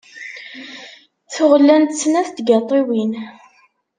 Tuɣ llant snat n tgaṭiwin.